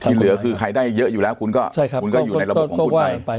เหลือคือใครได้เยอะอยู่แล้วคุณก็คุณก็อยู่ในระบบของคุณไป